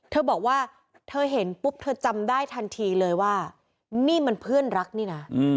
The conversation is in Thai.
เธอบอกว่าเธอเห็นปุ๊บเธอจำได้ทันทีเลยว่านี่มันเพื่อนรักนี่นะ